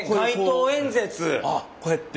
こうやって。